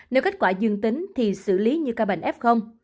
nếu kết quả dương tính thì xử lý như ca bệnh f